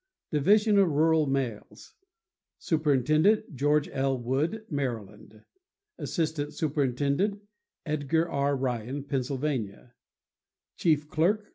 Division of Rural Mails.— Superintendent.—George L. Wood, Maryland. Assistant Superintendent.—Edgar R. Ryan, Pennsylvania. Chief Clerk.